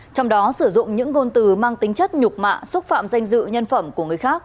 trong đó sử dụng những ngôn từ mang tính chất nhục mạ xúc phạm danh dự nhân phẩm của người khác